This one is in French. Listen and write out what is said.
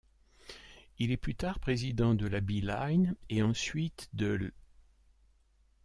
Il est plus tard président de la Bee Line et ensuite de l'.